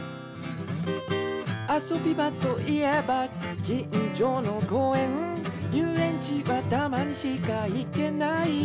「あそび場といえばきんじょの公園」「ゆうえんちはたまにしか行けないよ」